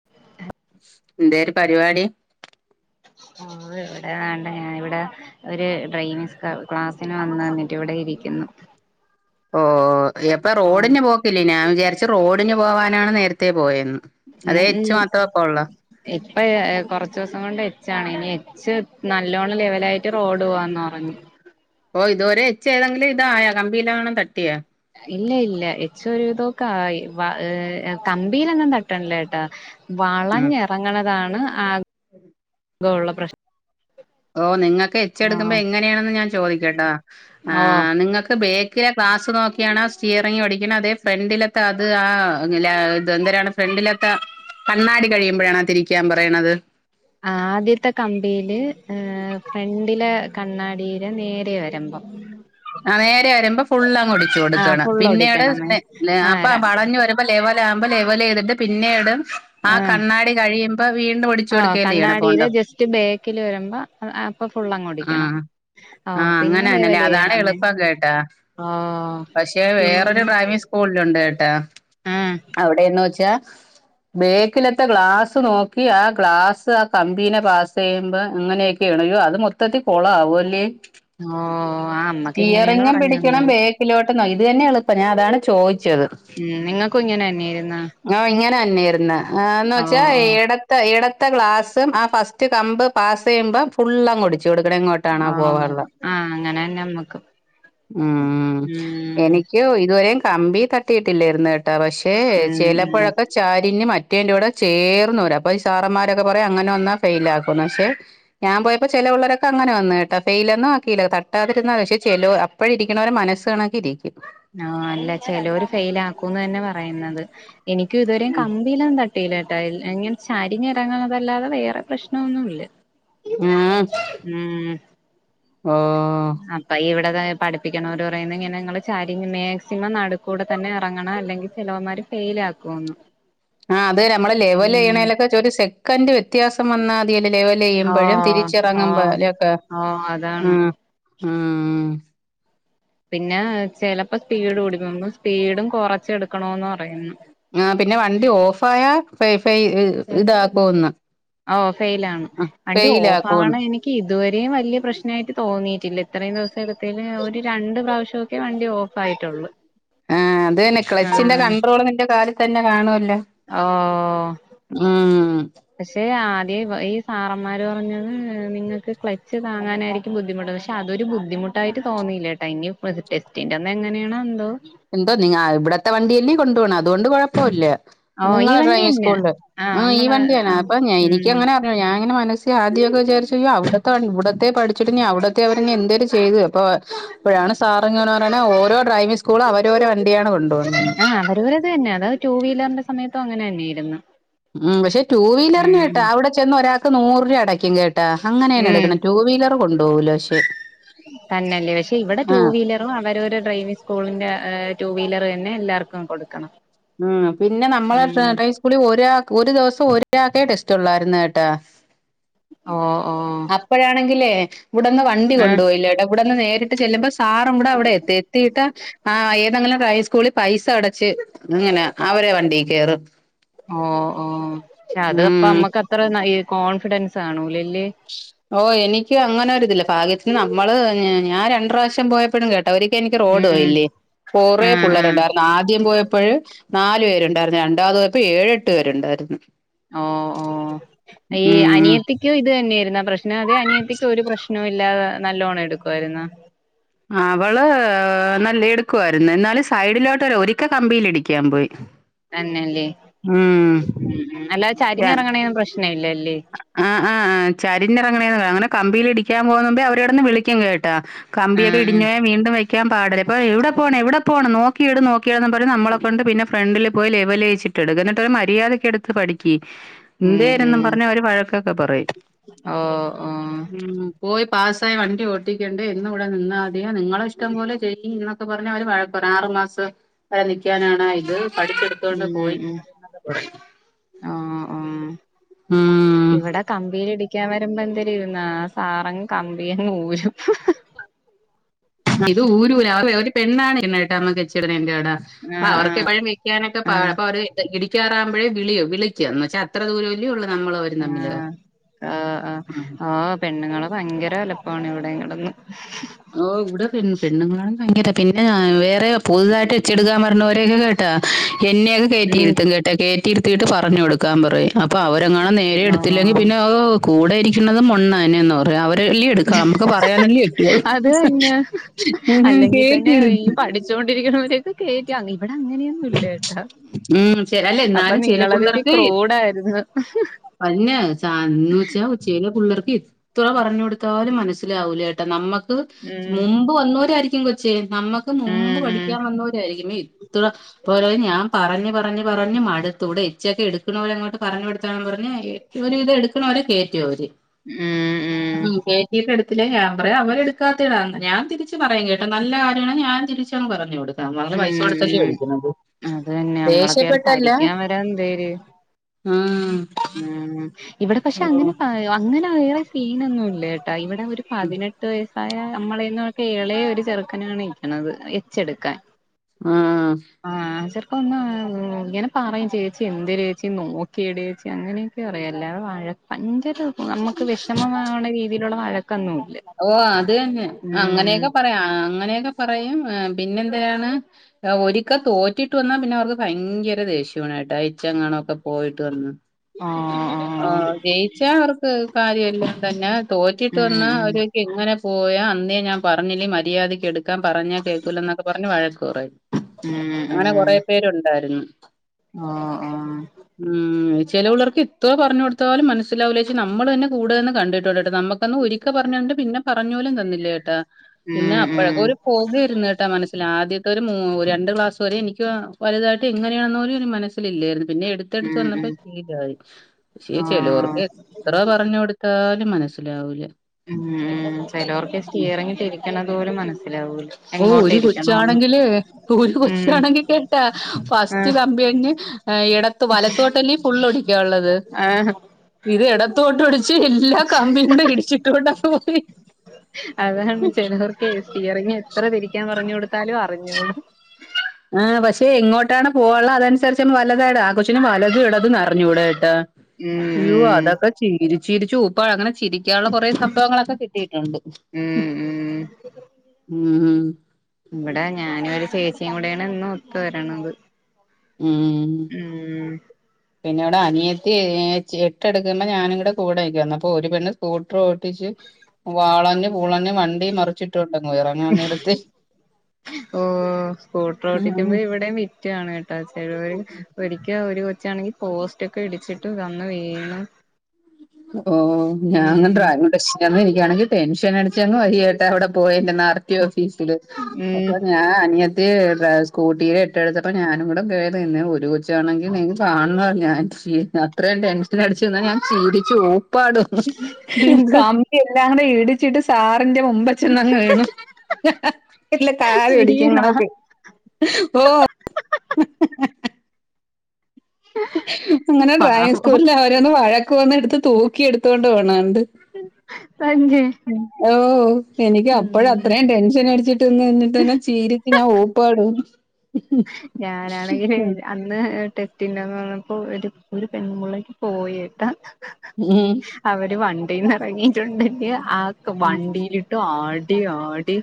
[unintelligible] എന്ത ഒരു പരിപാടി ഓ ഇവിടെ വണ്ട ഞാൻ ഇവിടെ ഒരു ഡ്രൈവിങ്ങ് സ് ക്ലാസ്സിന് വന്ന് നിന്നിട്ട് ഇവിടെ ഇരിക്കുന്നു ഓ യെപ്പൊ ആ റോഡിന് പോക്കില്ലേ ഞാൻ വിചാരിച്ചു റോഡിന് പോവാനാണ് നേരത്തെ പോയേന്ന് ഉം ഉം ഇപ്പ കൊറച്ചുസം കൊണ്ട് എച്ചാണ് ഇനി എ ച്ച് നല്ലോണ്ണം ലെവലായിട്ട് റോഡ് പോവാന്ന് പറഞ്ഞു ഓ ഇത് വരെ എച്ച് ഏതെങ്കിലും ഇതായാ കമ്പിയിലേങ്ങാനും തട്ടിയ ഇല്ല ഇല്ല എച്ച് ഒരു വിതൊക്കെ ആയി വ ആഹ് കമ്പിയിലെങ്ങും തട്ടണില്ല ട്ടാ ഉം വളഞ്ഞെറങ്ങണതാണ് ആദ് ക്കൊള്ള പ്രശ് ഓഹ് നിങ്ങക്ക് എച്ചെടുക്കുമ്പോ എങ്ങനെയാണെന്ന് ഞാൻ ചോദിക്ക്‌ട്ടാ ആ ഓ നിങ്ങക്ക് ബേ [unintelligible] ഗ്ലാസ്സ് നോക്കിയാണോ സ്റ്റിയറിങ്ങ് പിടിക്കണെ അതേ ഫ്രണ്ടിലത്തെ അത് ആ ഇങ്ങ ഇത് എന്താരാണ് ഫ്രണ്ടിലത്തെ കണ്ണാടി കഴിയുമ്പോഴാണോ തിരിക്കാൻ പറയണത് ആദ്യത്തെ കമ്പീല് ഇഹ് ഫ്രണ്ടിലെ കണ്ണാടിയിലെ നേരെ വരുമ്പം ആഹ് നേരെ വരുമ്പോ ഫുള്ളാങ്ങ് ഒടിച്ചു ആ കൊടുക്കണം ഫുള്ള് പിന്നീട് ഓടിക്കണമേ ഇഹ് ലേ ആ അപ്പ വളഞ്ഞു വരു ലെവലാവുമ്പോ ലെവല്യ്തിട്ട് പിന്നീട് ആ കണ്ണാടി കഴിയുമ്പോ വീണ്ടും ഒടിച്ചു ആഹ് കൊടുക്കേംലെയ്യണം പോണ്ടം ആഹ് അപ്പൊ ഫുള്ളാങ്ങ് ഒടിക്കണം ഓഹ് ആഹ് പിന്നെ അങ്ങനെന്നല്ലേ അതാണ് എള് ലെവലെയ്യണമേ പ്പം കേട്ടാ ഓഹ് പക്ഷെ വേറൊരു ഡ്രൈവിംഗ് സ്കൂളിലുണ്ട് കേട്ടാ ഉം അവിടെന്ന് വെച്ചാ ബേക്കിലത്തെ ഗ്ലാസ് നോക്കി ആ ഗ്ലാസ് ആ കമ്പീനെ പാസ് ചെയ്യുമ്പോ അങ്ങനെയെ ണയ്യോ അത് മൊത്തത്തിൽ കൊളാവുല്ലേ അആമ്മ്മ് സ്റ്റിയറിങ്ങും പിടിക്കണം ബേക്കിലോട്ട്ന്ന് ഇത് തന്നാ എളുപ്പം ഞാൻ അതാണ് ചോദിച്ചത് ഉം നിങ്ങൾക്കും ഇങ്ങനെ തന്നായിരുന്ന ആഹ് ഇങ്ങനെ തന്നെയിരുന്ന് ആഹ് എന്ന് വെച്ചാ ഓഹ് ഇടക്ക ത്തെ എടത്തെ ഗ്ലാസ്സും ആ ഫസ്റ്റ് കമ്പ് പാസ് ചെയ്യുമ്പോ ഫുള്ളങ്ങ് ഒടി ടിച്ചു കൊടുക്കണെങ്ങാട്ട് ആഹ് ആഹ് അങ്ങനന്നാ അമ്മക്കും ഉം ഉം എനിക്ക് ഇതുവരെയും കമ്പി തട്ടിയിട്ടില്ലായിരുന്ന് കേ പക്ഷേ ഉം ഉം ചെലപ്പോഴൊക്കെ ചരിഞ്ഞ് മറ്റേന്റെ കൂടെ ചേർന്ന് വരും അപ്പൊ ഈ സാറന്മാരൊക്കെ പറയാ അങ്ങനെ വന്നാ ഫെയിലാക്കുന്ന് പക്ഷെ ഞാൻ പോയപ്പോ ചെല പിള്ളേരൊക്കെ അങ്ങനെ വന്ന് കേട്ട ഫെയ്ലൊന്നും ആക്കീല്ല തട്ടാതിരുന്നത ക്ഷേ ചെലോ അപ്പോഴിരിക്കണവരെ മനസ്സ് കണക്കെ ഇരിക്കും ആഹ് അല്ല ചെലോര് ഫെയിൽ ആക്കൂന്ന് തന്നെ പറയുന്നത് എനിക്കും ഇതുവരെയും കമ്പ് ഉം മ്പി ലൊന്നും തട്ടിലാട്ടാ ഇങ്ങനെ ചരിഞ്ഞ് ഇറങ്ങണതല്ലതെ വേറെ പ്രശ്നം ഒന്നും ഇല്ല [unintelligible] അപ്പൊ ഇവടെതായ പഠിപ്പിക്കണോര് പറയുന്നെ ഇങ്ങനെ ഇങ്ങള് ചരിഞ്ഞ് മാക്സിമം നടുക്കൂടെ തന്നെ എറങ്ങണം അല്ലെങ്കി ചെലവന്മാര് ഫെയിൽ ആക്കുവെന്ന് ആഹ് അത് നമ്മള് ലെവല് ചെയ്യണേലൊക്കെച്ച് ഒരു സെക്കൻഡ് വ്യത്യാസം വന്നാൽ [unintelligible] ഓ ലെവലിയ്മ്പഴും ഓ തിരിച്ചിറങ്ങുമ്പോലോക്കെ ഓ അതാണ് ആഹ് ആഹ് പിന്നെ ചെലപ്പോ സ്പീഡ് കൂടി പൊങ്ങും സ്പീഡും കൊറച്ചെടുക്കണൊന്ന് പറയുന്നു ആഹ് പിന്നെ വണ്ടി ഓഫായ ഫൈ ഫൈ ഇതാക്കൂന്ന് ഔ ഫെയിലാണ് വണ്ടി ഓഫ് ആവാണ ആക്കുമെന്ന് എനി ഇതുവരെയും വല്ല്യാ പ്രശ്നായിട്ട് തോന്നിയിട്ടില്ല ഇത്രയും ദിവസം എടുത്തേല് ഒരു രണ്ട് പ്രാവശ്യോക്കെ വണ്ടി ഓഫ് ഫായിട്ടുള്ളൂ ആഹ് അത് തന്നെ ക്ലച്ചിന്റെ കൺണ്ട്രോള് നിന്റെ കാലിൽ തന്നെ കാണുവല്ലോ ആഹാ പക്ഷെ ആദ്യെ ഈ സാറന്മാര് പറഞ്ഞത് നിങ്ങക്ക് ക്ലച്ച് താങ്ങാനായിരിക്കും ബുദ്ധിമുട്ട പക്ഷെ അതൊരു ബുദ്ധിമുട്ടായിട്ട് തോന്നീല്ലട്ടോ. ഇനി ടെസ്റ്റിൻ്റെന്ന് എങ്ങനെണോ എന്തോ എന്തോ നി ഇവിടത്തെ വണ്ടിയല്ലേ കൊണ്ടു പോണ അതുകൊണ്ട് കുഴപ്പല്ല ഓ ഈ നിങ്ങളെ വണ്ടി ഡ്രൈവിംഗ് തന്നെ സ്കൂളില് ആ ഈ നമ്മള് വണ്ടിയാണോ ആ അപ്പം ഉം എനിക്കങ്ങനെ ഞാ ഇങ്ങനെ മനസ്സി ആദ്യക്കെ വിചാരിച്ചു യ്യോ അവ് ഇവിടത്തെ പഠിച്ചിട്ട് നി അവിടത്തെ അവര് നി എന്തേർ ചെയ്ത് അപ്പൊ പ്പോഴാണ് സാറിങ്ങനെ പറയണ ഓരോ ഡ്രൈവിംഗ് സ്കൂൾ അവരോരോ വണ്ടിയാണ് കൊണ്ടോണ ആ അവവരത് തന്നെ. അതായത് ടു വീലറിന്റെ സമയത്തും അങ്ങനെ തന്നെയിരുന്നു ഉം പക്ഷെ ടുവീലറിൻ കിട്ട് അവിടെ ചെന്ന് ഒരാൾക്ക് നൂറ് രൂപ അടയ്ക്കും കേട്ട് അങ്ങനെയാണ് ഉം എടുക്കണ ടു വീലർ കൊണ്ടോവൂല പക്ഷെ തന്നെ ല്ലേ പക്ഷെ ഇവിടെ ആ ടൂ വീലർ അവരോര് ഡ്രൈവിംഗ് സ്കൂളിന്റെ ടു വീലർ തന്നെ എല്ലാർക്കും കൊടുക്കണം ഉ പിന്നെ നമ്മളെ ഉം ഡ്രൈവിംഗ് സ്കൂളിൽ ഒരാ ഒരു ദിവസം ഒരാക്കെ ടെസ്റ്റ് ഉള്ളായിരുന്നു കേട്ടാ ഓ ഓ അപ്പഴാണെങ്കിലേ വിടന്ന് വണ്ടി ആ കൊണ്ടുപോയില്ലട്ടോ ഇവിടന്ന് നേരിട്ട് ചെല്ലുമ്പ സാറും കൂടെ അവിടെ എത്തി. എത്തിയിട്ട് ആ ഏതെങ്കിലും റൈസ് സ്കൂളിൽ പൈസ അടച്ച് ഇങ്ങനെ അവരെ വണ്ടി കേറും ഓ ഓ പക്ഷെ അത്പ്പ ഉം മ്മക്ക് അത്ര ഈ കോൺഫിഡൻസ് ആണൂലല്ലേ ഓ എനിക്ക് അങ്ങനെ ഒരി ഇതില്ല പാഗ്യത്തിന് നമ്മള് ഞ ഞാൻ രണ്ട്റാശ്യം പോയപ്പോഴും കേ അവരൊക്കെ എനിക്ക് റോഡ് ഉം പോയില്ലേ കൊറേ ആഹ് ആഹ് പുള്ളേരുണ്ട് ആദ്യം പോയപ്പോഴ് നാലു പേരുണ്ടായിരുന്നു രണ്ടാമത് പോയപ്പോ ഏഴെട്ട് പേരുണ്ടായിരുന്നു. ഓ ഓ ഈ ഉം അനിയത്തിക്കു ഇത് ന്നേരുന്നോ പ്രശ് അതെ അനിയത്തിക്ക് ഒരു പ്രശ്നൂ ഇല്ലാതേ നല്ലോണം എടുക്കുവായിര്ന്നോ. അവള് നല്ല എടുക്കുവായിരുന്നു എന്നാലും സൈഡിലോട്ടൊരു ഒരിക്ക കമ്പിലിടിക്കാൻ പോയി. തന്നെല്ലേ ഉം അല്ലാതെ ചരിഞ്ഞിറങ്ങണേൻ പ്രശ്ന ഇല്ലല്ലേ. ആ ആ ചരിഞിറങ്ങനേന്ന് അങ്ങനെ കമ്പീല് ഇടിക്കാൻ പോകുന്നുമ്പേ അവര് കെടന്ന് വിളിക്കും കേ കമ്പിയൊക്കെ ആഹ് ആഹ് ഇടിഞ്ഞേ വീണ്ടും വെയ്ക്കാൻ പാടല ഇപ്പോ യെവിടെ പോണ് എവിടെ പോണ് നോക്കിയെട് നോക്കിയെട്ന്നും പറഞ്ഞ നമ്മളെക്കൊണ്ട് പിന്നെ ഫ്രണ്ടില് പോയി ലെവലേച്ചി എടുക്ക എന്നിട്ടൊരു മര്യാദക്കെടുത്ത് പഠിക്കി ഉം എന്തേരെന്നും ഉം പറഞ്ഞ് അവര് വഴക്കൊക്കെ പറയും. ഓ ഉം. ഉം പോയി പാസ്സായി വണ്ടി ഓട്ടിക്കണ്ടെ എന്നു വടെ നിന്നാതിയോ നിങ്ങളെ ഇഷ്ടം പോലെ ചെയ്യ്ന്ന് ന്നൊക്കെ പറഞ്ഞവര് വഴക്ക് പറ ആറുമാസം വരെ നീക്കാനാണ് ഇത് പഠിച്ചടു ഉം ഉം ആഹ് ആഹ്. ഉം ഇവടെ കമ്പീലിടി ക്കാൻ വരുമ്പോ എന്തലിരുന്നാ സാറങ്ങ് കമ്പിയങ് ഊരും. ഇത് ഊരൂല ഒരു പെണ്ണാണ് ട്ണേ ട്ടോ മ്മക്ക് എച്ചിടുന്നയ്ൻ്റെവടെ. ആ ആഹ് അവർക്ക് ആഹ് എപ്പോഴും നിക്കാനൊക്കെ പാട ആഹ് അപ്പൊ അവര് ഇടിക്കാറാവുമ്പോഴേ വിളി വിളിക്കാന്ന് വച്ചാൽ അത്ര ദൂരല്ലേള്ളൂ നമ്മളോ ആഹ് ആഹ് ആഹ് ആഹ് പെണ്ണുങ്ങള് ഭയങ്കര വലുപ്പാണ് ഇവടെ കടന്ന്. ഓ ഇവിടെ പെണ്ണ് പെണ്ണുങ്ങളാണ് ഭയങ്കര പിന്നെ വേറെ പുതുതായിട്ട് എച്ചി ടുകാൻ വർണോരേ കി കെ ട്ടാ എന്നെ ഉം കേറ്റിയിരുത്തും കേട്ടാ കേറ്റിരുത്തീട്ട് പറഞ്ഞ് കൊടുക്കാൻ പറയും അപ്പൊ അവര ങ്ങാണും നേരെ എടുത്തില്ലെങ്കി ആഹ് പിന്നെ അവൊ കൂടെ ഇരിക്കുന്നത് മൊണ്ണൻന്ന് പറയാ അവര്ല്ലേ എടുക്കാ നമുക്ക് പറയാനല്ലേ പറ്റുള്ളൂ. അത് തന്നെ അല്ലെങ്കി തന്നെ ഈ കേട്ടിരുത്തും പഠിച്ചോണ്ടിരിക്കിണവര് കേറ്റ ഇവടെ അങ്ങനെയൊന്നും ഇല്ലാട്ടാ. ഉം ചെ- അല്ല അപ്പൊ എന്നാലും ചില നിങ്ങളരുത്തി ക്രൂഡായിരുന്നു. പഞ്ഞ ചാന്ന് വെച്ചാ ഉച്ചയിലെ പിള്ളേർക്ക് ത്ര പറഞ്ഞു കൊടുത്താലും മനസ്സിലാവൂല കേട്ടാ നമ്മ ക്ക് ഉം മുമ്പ് വന്നൊരായിരിക്കും കൊച്ചേ നമ്മക്ക് മുമ്പ് ഉം ഉം പഠിക്കാൻ വന്നൊരായിരിക്കും മേ ത്ത് പോലൊ ഞാം പറഞ്ഞ് പറഞ് പറഞ് മടുത്തു, ഇവടെ എച്ചിയൊക്കെ എട്ക്ക്നോലെ അങ്ങോട്ട് പറഞ്ഞ് കൊടുത്ത അങ്ങനാ ഏഹ് ഇവര്തെ എടുക്ക്ണോലെ കേറ്റോ അവര്. ഉം [inaudible] ഉം കേറ്റീട് എടുത്തില്ലെ ഞാൻ പറയും അവര് എടുക്കാതെയാ ഞാൻ തിരിച്ച് പറയും കേട്ടോ നല്ലകാര്യണെ ഞാൻ തിരി ചെം പറഞ്ഞൂട്. നമ്മളെ പൈസ ഉം കൊടുത്തല്ലോ ഉം എട്ക്ക്ണത് അത് തന്നെ നമ്മളെ കേറി ദേഷ്യപ്പെട്ടല്ലാ. ഭരിക്കാൻ വരാ എന്തേര് ഉം ഉം ഇവടെ പക്ഷെ അങ്ങനെ ഓ അങ്ങനെ വേറെ സീനൊന്നും ഇല്ലട്ടാ ഇവ ഒരു പതിനെട്ട് വയസ്സായ നമ്മളന്നൊക്കെ എളേ ഒരു ചെറുക്കനേണ് ഇരിത്ണത് വായിച്ചെടുക്കാൻ. ആഹ് ആഹ് ചെർക്കന്ന ഉം ഇങ്ങനെ പറയും ചേച്ചി എന്തരേച്ചി നോക്കിയഡേയ്ച്ചി അങ്ങനെ അറയാ എല്ലാ വാഴ പഞ്ചലൊ നമ്മക്ക് വെഷമമാകണ രീതിയിലുള്ള വഴക്കൊന്നുല്ല. ഓ അത് തന്നേ ഉം അങ്ങനെയൊക്കെ പറയാം അങ്ങനെയൊക്കെ പറയും പിന്നെ എന്തിരാണ് ആ ഒരിക്കൽ തോറ്റിട്ട് വന്നാപിന്നെ അവർക്ക് ഭയെങ്കര ദേഷ്യവാണെെട്ടെ അയച്ചങ്ങാണോക്കെ പോയിട്ട് വന്നാ ആഹ് ഓ ആഹ് ജെയിച്ചാ അവർക്ക് കാര്യെല്ലാം തന്നെ തോറ്റിട്ട് ഉം വന്ന അവര് ഇങ്ങനെ പോയാ അന്നേ ഞാൻ പറഞ്ഞില്ലേ മര്യാദയ്ക്ക് എടുക്കാൻ പറഞ്ഞ കേൾക്കൂല എന്നൊക്കെ പറഞ്ഞ് വഴക്ക് പറയും ഉം ഉം അങ്ങനെ ഉം കൊറെ പേരുണ്ടായിരുന്നു ആഹ് ആഹ് ഉം ചെലപിള്ളാർക്ക് ഇത്ര പറഞ്ഞു കൊടുത്താലും മനസ്സിലാവൂല്ലച്ച് നമ്മളെന്നെ കൂട്ന്ന് കണ്ടിട്ടുണ്ട്ട്ടൊ നമ്മുക്കൊന്ന ഒരിക്ക ക്കെ പറഞ്ഞണ്ട് പിന്നെ പറഞ്ഞോലും തന്നില്ല കേട്ടാ പിന്നെ ഉം അപ്പെഴക്കെ ഉം ഒരു പോകരുന്ന്ട്ടാ മനസ്സില് ആദ്യത്തെ മൂ രണ്ട് ക്ലാസ് വരെ എനിക്ക് വലുതായിട്ട് എങ്ങനെയാണോനി മനസ് ഇല്ലെർന്ന് പിന്നെ എടുത്തെടുത്ത് ഉം വന്നപ്പോ ഉം ശീലായി പശേ ചെലോർക് ആഹ് എത്രെ പറഞ്ഞ് കൊട്ത്താലും മനസ്സിലാവൂലാ ഉം മ് ചെലോർക്കെ സ്റ്റിയറിഗ് തിരിക്ണത് പോലും മനസ്സിലാവൂല്ലാ ഓ ഒരു കൊച്ചാണെങ്കില് ഒരു ഉം കൊച്ചാണെങ്കി കേട്ടാ ഫസ്റ്റ് ആഹ് കമ്പിന്നെ എടത്ത് വലത്തോട്ടല്ലേ ഫുള്ള് ഒടിക്കാള്ളത് ആഹ് ഇത് എടത്തോടോടി ച്ച് എല്ലാ കമ്പിംകൂടെ ഇടിച്ചിട്ടോണ്ടാ പോയി മ് ക്കെ സ്റ്റിയറിങ്ങ് എത്ര തിരിക്കാൻ പറഞ്ഞു കൊടുത്താലും അറിഞ്ഞൂടാ ആഹ് പശ എങ്ങോട്ടാണ് പോവാള്ള അതനുസരിച്ച് വലതെതാ ആ കൊച്ചിന് വലതും ഇടതും അറിഞ്ഞൂടക്കെട്ടാ ഉം യ്യുവ്വാ അതൊക്കെ ചിരിച്ചിരിച്ച് ഊപ്പളക്ണ ചിരി ക്കാനുള്ള കൊറേ സംഭവങ്ങളൊക്കെ കിട്ടിയിട്ടുണ്ട് ഉം ഉം ഉം മ് ഇവിടെ ഞാനും ഒരു ചേച്ചിയും കൂടെയാണ് ഇന്ന് ഒത്തു വര്ണത് ഉം പിന്നേണെ അനിയത്തി ഏച്ച് എട്ട് എടുക്കുമ്പോ ഞാനങ്ങട്ട്ക്കൂടും അയ്ക്ക്. അപ്പൊ ഒരു പെണ്ണ് സ്കൂട്ടർ ഓട്ടിച്ച് വാളഞ്ഞു പൂളഞ്ഞ് വണ്ടി മറിച്ചി ട്ട്ണ്ട് ഇറങ്ങു ഓ സ്കൂട്ടർ ആഹ് ഓട്ടിക്കുമ്പോ ഇവിടെ വി റ്റാണ്ക്കേട്ടാ ചെലോര് ഒരിക്ക ഒരു മിചാണെങ്കി പോസ്റ്റ്ഒക്കെ ഇടിച്ചിട്ട് വന്ന് വീണു ഓ ഞാൻ ഡ്രാഗെൻ ടെസ്റ്റ്‌ വന്നെരിക്കാണെങ്കിൽ ടെൻഷൻ അടിച്ചങ്ങ് വെയ്യാട്ടാ അവിടെ പോയന്റെ നർ ട്ടി ഓഫീസില് ഉം അപ്പൊ ഞാൻ അനിയ ത്തിയെ ഡ്രാവ് സ്കൂട്ടിലെ എട്ട്എട്ത്തപ്പേ ഞാനുംകൂടെ കേറി നിന്നെ, ഒരു കൊച്ചാണെങ്കി നീ കാണണോ ഞാൻ ചീ അത്രെയും ടെൻഷൻ അടിച്ചു നിന്ന ഞാൻ ചിന്തി ചൂപ്പാട് എന്ത് കമ്പി എല്ലാരെയും ഇടിച്ചിട്ട് സാറിന്റെ മുബ്ബിൽ ചന്നങ്ങ് വീണു വണ്ടിലെ കാൽ പിടിക്കി വീണാ ഇങ്ങപൊഴി ഓഹ് ഹി. ഹി അങ്ങനെ ഡ്രൈവിംഗ് പാവം സ്കൂളിൽ അവരേന്ന് വഴക്ക് വന്ന് ഇട്ത്ത് തൂക്കി എടുത്തോണ്ട് പോണ കണ്ട് ഹി തഞ്ചേ ഓ ഓഹോ എനിക്ക് അപ്പള അത്രയും ടെൻഷൻ അടിച്ചി ട്ട് ഇന്ന് എന്നിട്ട്ന്നെ ചീരിച്ച് ഞാൻ ഓപ്പാടൊ ഞാനാണെങ്കിൽ അന് ന്ന് ടെസ്റ്റ് ഇല്ലാന്ന് പറഞ്ഞപ്പോ ഒരു ഒരു പെൺമുള്ളേക്ക് പോയേട്ടാ ഉം അവര് വണ്ടിന്ന് എറങ്ങിയിട്ടുണ്ടില് ആഹ് വണ്ടീല് ആടി ആടി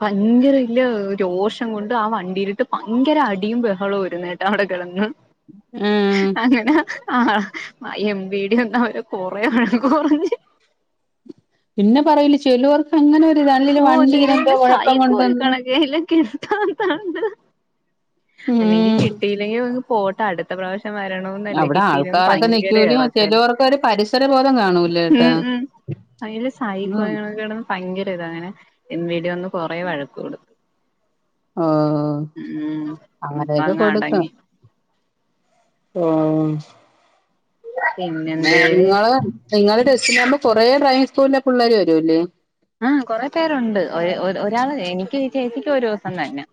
ഭയങ്കരല്ല രോഷം കൊണ്ട് ആഹ് വണ്ടിയിലിട്ട് ഭയങ്കര അടിയും ബഹളവും രുന്ന് കേട്ടാ അവിടെ കിളന്ന് ആഹ് അങ്ങനെ ആഹ് എം വി ഡി ഒന്നാ അവര് കൊറെ വഴക്ക് പറഞ്ഞ് പിന്നെ പറയില് ചെലോർ അങ്ങനെ ഒരുതാണ് ഓ [unintelligible] അല്ലെങ്കിൽ ഉം കിട്ടില്ലെങ്കിൽ പോട്ടെ അടുത്ത പ്രാവ മരണന്നല്ലേ അവിടെ കിട്ടീലങ്കി ആൾക്കാരൊക്കെ ഭയങ്കര നിക്കൂല ഇറക്ക ചിലവർക്ക് ഒരു പരിസരബോധം കാണും ഉം ഉം അയില് ഉം സായിക്കോണക്കടന്ന് ഭയങ്കര ഇത അങ്ങനെ എ വീ ടെ വന്നു കൊറേ വഴക്ക കൊടുക്കും ഓ ഓ ഉം അപ്പ അങ്ങനെയൊക്കെ അങ്ങ് കൊടുക്കും അടങ്ങി ഓ പിന്നെന്തേര് നിങ്ങള് നിങ്ങളുടെ ടെസ്റ്റിനാകുമ്പോ കുറെ ഡ്രൈംഗങ് സ്കൂളിലെ പിള്ളേർ വരൂല്ലേ ആഹ് കൊറെ പേരുണ്ട് ഒ ഒരാള് എനിക്ക് ചച്ചിക്കും ഒരു ദിവസം തന്നെ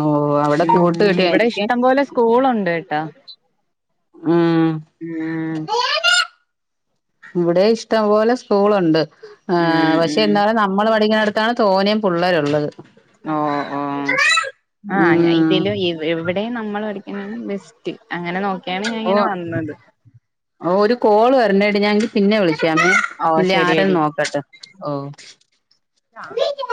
ഓ അവിടെ കൂട്ട് ഉം കിട്ടിയ ഇവിടെ എനിക്ക് ഇഷ്ടം പോലെ സ്കൂളുണ്ട് ഏട്ടാ ഉം ഉം ഇവിടെ ഇഷ്ടംപോലെ സ്കൂളുണ്ട് ഉം പക്ഷെ ഉം എന്നാലും ന്ന നമ്മൾ പഠിക്കുന്നടുത്താണ് തോനെ പിള്ളേരുള്ളത് ഓ ഓ ആഹ് ഉം ഇതില് ഇ ഇവിടെയും നമ്മൾ പഠിക്കാണ് ബെസ് റ്റ് അങ്ങനെ നോക്കിയാണ് ഞാൻ ഇങ്ങനെ വന്നത് ഓ ഒരു കോള് വരണടി ഞാങ്കി പിന്നെ വിളിക്കാമേ ഓ ഇല്ല ശരിയടി ആരാന്നു നോക്കട്ടെ ഓ